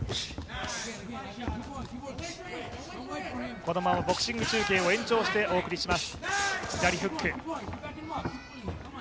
このままボクシング中継を延長してお送りします。